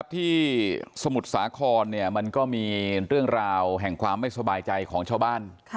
ที่สมุทรสาครมันก็มีเรื่องราวแห่งความไม่สบายใจของชาวบ้าน